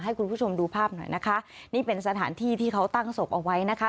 ให้คุณผู้ชมดูภาพหน่อยนะคะนี่เป็นสถานที่ที่เขาตั้งศพเอาไว้นะคะ